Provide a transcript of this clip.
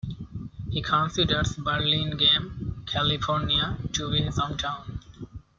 He considers Burlingame, California, to be his hometown.